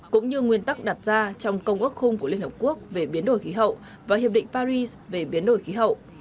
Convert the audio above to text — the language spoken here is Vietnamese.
cũng như nguyên tắc đặt ra trong công ước khung của liên hợp quốc về biến đổi khí hậu và hiệp định paris về biến đổi khí hậu